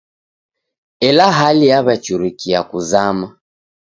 Ela hali yaw'iachurikia kuzama.